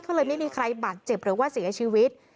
ก็เลยไม่มีใครบาดเจ็บหรือว่าเสียชีวิต